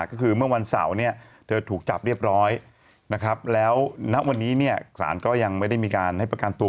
ก็คือเมื่อวันเสาร์เนี่ยเธอถูกจับเรียบร้อยนะครับแล้วณวันนี้เนี่ยศาลก็ยังไม่ได้มีการให้ประกันตัว